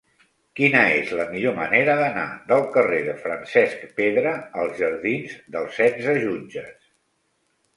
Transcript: Quina és la millor manera d'anar del carrer de Francesc Pedra als jardins d'Els Setze Jutges?